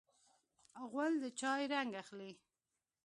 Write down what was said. غول د چای رنګ اخلي.